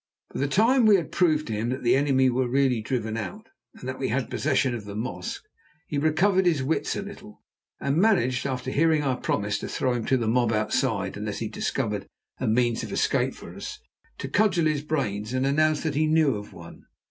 By the time we had proved to him that the enemy were really driven out, and that we had possession of the mosque, he recovered his wits a little, and managed, after hearing our promise to throw him to the mob outside unless he discovered a means of escape for us, to cudgel his brains and announce that he knew of one.